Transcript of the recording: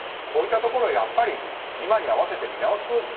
こういったところ、やっぱり今に合わせて見直す。